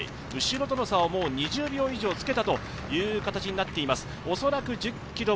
後ろとの差は２０秒以上つけたという形になっています。